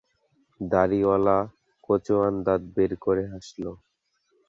দাড়িওয়ালা কোচোয়ান দাঁত বের করে হাসল।